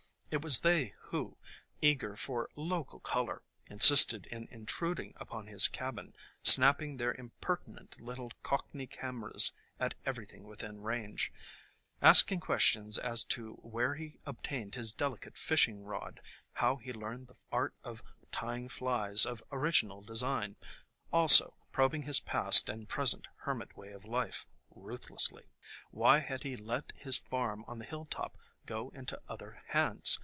It was they who, eager for "local color," insisted in intruding upon his cabin, snapping their impertinent little cockney cameras at everything within range. Asking questions as to where he obtained his delicate fishing rod, how he learned the art of tying flies of original design; also probing his past and present hermit way of life ruthlessly. Why had he let his farm on the hilltop go into other hands?